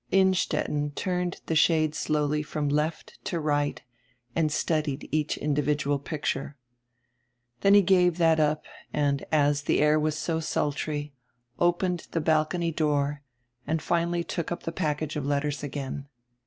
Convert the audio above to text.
Innstetten turned die shade slowly from left to right and studied each individual picture. Then he gave that up and, as die air was so sultry, opened die bal cony door and finally took up die package of letters again.